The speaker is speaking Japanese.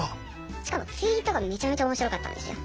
しかもツイートがめちゃめちゃ面白かったんですよ。